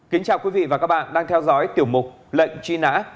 kính chào quý vị và các bạn đang theo dõi tiểu mục lệnh truy nã